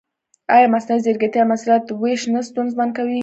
ایا مصنوعي ځیرکتیا د مسؤلیت وېش نه ستونزمن کوي؟